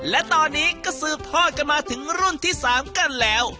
และตอนนี้ก็สืบทอดกันมาถึงรุ่นที่๓กันแล้ว